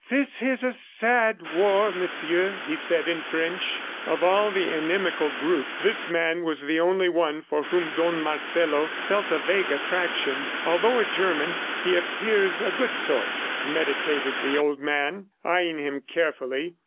"This is a sad war, Monsieur!" he said in French. Of all the inimical group, this man was the only one for whom Don Marcelo felt a vague attraction. "Although a German, he appears a good sort," meditated the old man, eyeing him carefully.